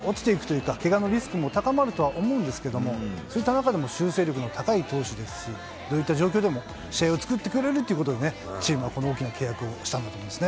当然、年齢的に今後、力が落ちていくというか、けがのリスクも高まるとは思うんですけども、そういった中でも、修正力の高い投手ですし、どういった状況でも試合を作ってくれるということで、チームがこの大きな契約をしたんだと思いますね。